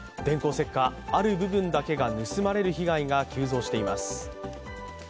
電光石火、ある部分だけが盗まれる被害が急増しています。